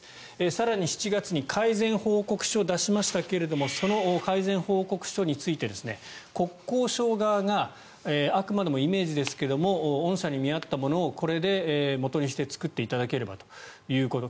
更に７月に改善報告書を出しましたけれどその改善報告書について国交省側があくまでもイメージですが御社に見合ったものをこれをもとにして作っていただければということ。